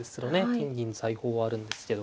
金銀財宝はあるんですけど。